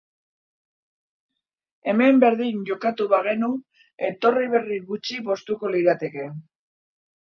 Hemen berdin jokatuko bagenu, etorri berri gutxi poztuko lirateke.